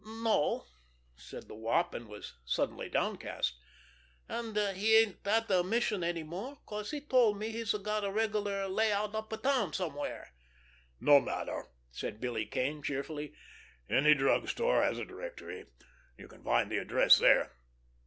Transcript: "No," said the Wop, and was suddenly downcast. "And he ain't at the mission any more, 'cause he told me he'd got a regular layout uptown somewhere." "No matter!" said Billy Kane cheerfully. "Any drug store has a directory. You can find the address there.